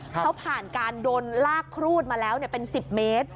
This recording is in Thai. เขาผ่านการโดนลากครูดมาแล้วเป็น๑๐เมตร